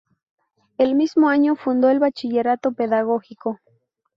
El mismo año fundó el Bachillerato Pedagógico.